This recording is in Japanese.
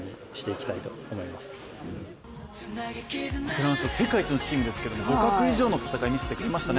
フランス、世界一のチームでしたけれども互角以上の戦いを見せてくれました。